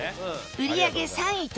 売り上げ第３位は